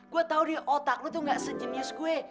gue tahu dia otak lo tuh nggak sejenius gue